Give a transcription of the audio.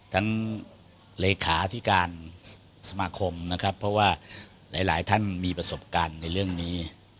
ทั้งเลขาที่การสมาคมนะครับเพราะว่าหลายท่านมีประสบการณ์ในเรื่องนี้